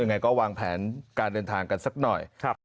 ยังไงก็วางแผนการเดินทางกันสักหน่อย